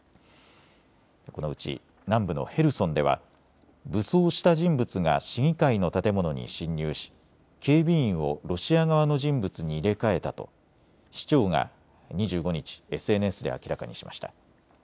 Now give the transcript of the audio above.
このうち南部のヘルソンでは武装した人物が市議会の建物に侵入し警備員をロシア側の人物に入れ替えたと市長が２５日、ＳＮＳで明らかにしました。